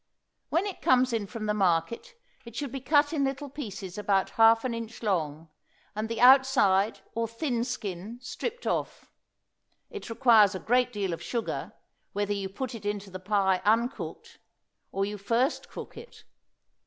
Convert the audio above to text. When it comes in from the market it should be cut in little pieces about half an inch long, and the outside, or thin skin, stripped off. It requires a great deal of sugar, whether you put it into the pie uncooked, or you first cook it.